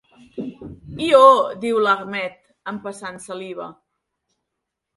Ió —diu l'Ahmed, empassant saliva.